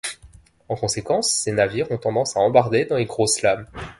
En conséquence ces navires ont tendance à embarder dans les grosses lames.